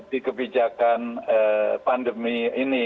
dikebijakan pandemi ini